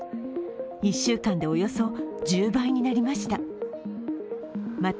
１週間でおよそ１０倍になりました。